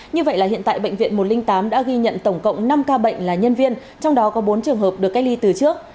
như vậy là hiện tại bệnh viện một trăm linh tám đã ghi nhận tổng cộng năm ca bệnh là nhân viên trong đó có bốn trường hợp được cách ly từ trước